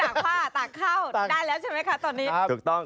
ไม่ได้ตากผ้าตากข้าวได้แล้วใช่ไหมคะตอนนี้ครับถูกต้อง